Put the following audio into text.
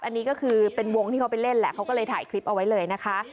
อันนี้ก็คือเป็นวงที่เขาไปเล่นแหละเขาก็เลยถ่ายคลิปเอาไว้เลยนะคะ